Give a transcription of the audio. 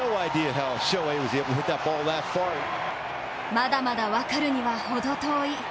まだまだ分かるには程遠い。